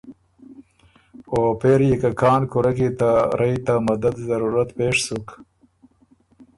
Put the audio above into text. او پېری يې که کان کُورۀ کی ته رئ ته مدد ضرورت پېش سُک